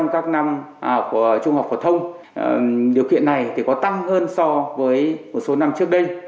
các năm trung học phổ thông điều kiện này thì có tăng hơn so với một số năm trước đây